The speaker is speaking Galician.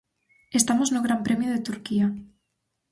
Estamos no Gran Premio de Turquía.